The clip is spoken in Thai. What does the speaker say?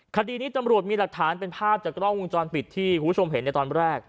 คดีนี้ตำรวจมีหลักฐานเป็นภาพจากกล้องวงจรปิดที่คุณผู้ชมเห็นในตอนแรก